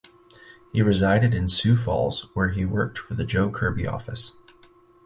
He resided in Sioux Falls, where he worked for the Joe Kirby office.